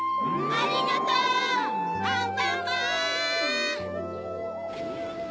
ありがとうアンパンマン！